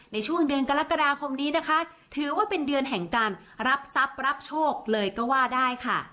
ในช่วงเดือนกรกฎาคมนี้นะคะถือว่าเป็นเดือนแห่งการรับทรัพย์รับโชคเลยก็ว่าได้ค่ะ